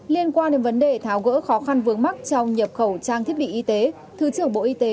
liên quan đến vấn đề tháo gỡ khó khăn vướng mắt trong nhập khẩu trang thiết bị y tế